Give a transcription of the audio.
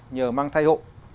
nhờ mang thai hộ